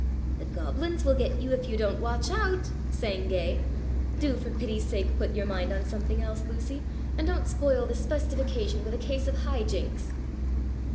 "'The gobelins will git you if you don't watch out,'" sang Gay. "Do for pity's sake put your mind on something else, Lucy, and don't spoil this festive occasion with a case of high jinks!"